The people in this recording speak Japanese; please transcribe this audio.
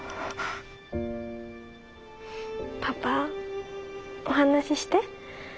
パパお話しして。